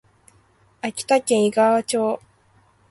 秋田県井川町